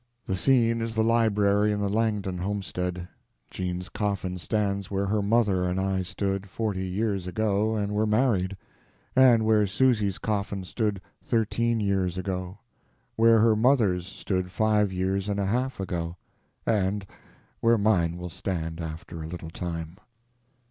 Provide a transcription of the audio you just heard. The scene is the library in the Langdon homestead. Jean's coffin stands where her mother and I stood, forty years ago, and were married; and where Susy's coffin stood thirteen years ago; where her mother's stood five years and a half ago; and where mine will stand after a little time.